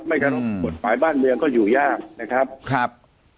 ไม่ควรหมดฝ่ายบ้านเมืองก็อยู่ยากนะครับ